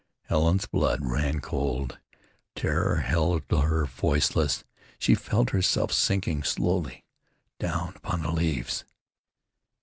Helen's blood ran cold; terror held her voiceless. She felt herself sinking slowly down upon the leaves.